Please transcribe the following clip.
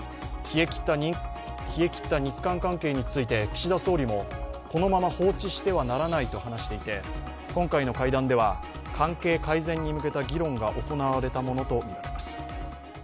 冷えきった日韓関係について岸田総理もこのまま放置してはならないと話していて、今回の会談では関係改善に向けた議論が行われたものとみられます。